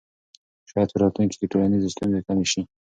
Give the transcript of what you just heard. شاید په راتلونکي کې ټولنیزې ستونزې کمې سي.